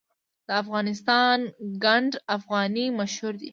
د افغانستان ګنډ افغاني مشهور دی